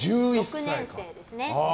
６年生ですね。